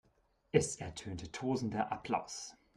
Es ertönte tosender Applaus.